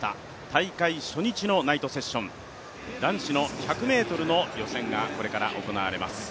大会初日のナイトセッション、男子の１００ｍの予選がこれから行われます。